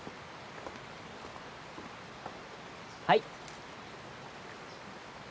はい。